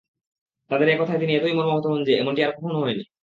তাদের এ কথায় তিনি এতই মর্মাহত হন যে, এমনটি আর কখনও হননি।